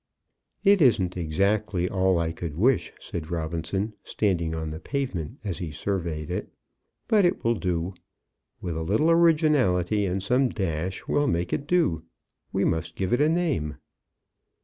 "It isn't exactly all I could wish," said Robinson, standing on the pavement as he surveyed it. "But it will do. With a little originality and some dash, we'll make it do. We must give it a name."